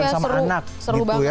bersama anak gitu ya